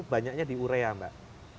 banyaknya di urea mbak